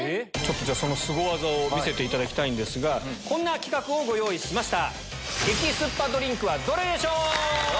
そのスゴ技を見せていただきたいんですがこんな企画をご用意しました。